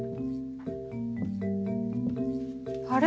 あれ？